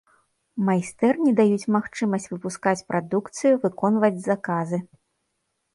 Майстэрні даюць магчымасць выпускаць прадукцыю, выконваць заказы.